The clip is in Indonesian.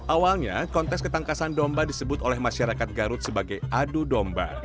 awalnya kontes ketangkasan domba disebut oleh masyarakat garut sebagai adu domba